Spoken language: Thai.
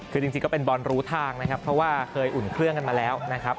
คือจริงก็เป็นบอลรู้ทางนะครับเพราะว่าเคยอุ่นเครื่องกันมาแล้วนะครับ